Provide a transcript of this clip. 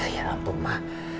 ya ampun mas